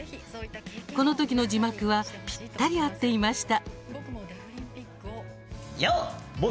このときの字幕はぴったり合っていました。